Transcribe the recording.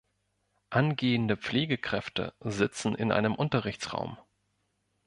Angehende Pflegekräfte sitzen in einem Unterrichtsraum.